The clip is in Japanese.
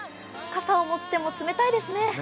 傘を持つ手も冷たいですね。